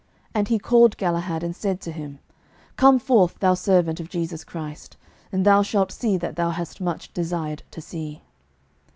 And he called Galahad and said to him, "Come forth, thou servant of Jesu Christ, and thou shalt see that thou hast much desired to see."